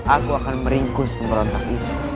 aku akan meringkus pemberontak itu